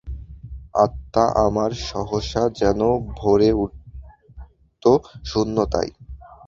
আত্মা আমার সহসা যেন ভরে উঠত শূন্যতায়।